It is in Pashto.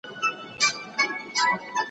تر قدمه يې په زر ځله قربان سول